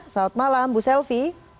selamat malam bu selvi